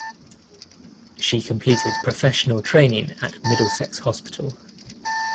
She completed professional training at Middlesex Hospital.